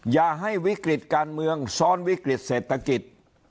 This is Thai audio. อย่าให้วิกฤติการเมืองซ้อนวิกฤตเศรษฐกิจ